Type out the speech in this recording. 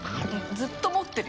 ずっと持ってる。